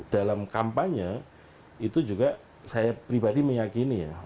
dalam kampanye itu juga saya pribadi meyakini ya